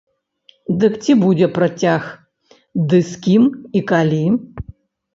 Дык ці будзе працяг ды з кім і калі?